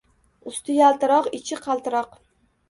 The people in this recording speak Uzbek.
Usti yaltiroq, ichi qaltiroq.